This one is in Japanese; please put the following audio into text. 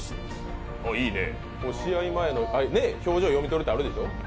いいね、試合前の表情読み取るってあるでしょう？